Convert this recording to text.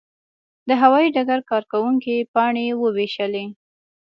د هوايي ډګر کارکوونکي پاڼې وویشلې.